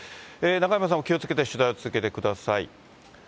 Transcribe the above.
中山さんも気をつけて取材を続けてください。